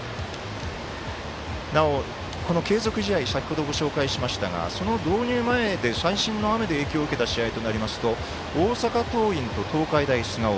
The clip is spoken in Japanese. なお、この継続試合先ほどご紹介しましたがその導入前で、最新の雨で影響を受けた試合になりますと大阪桐蔭と東海大菅生。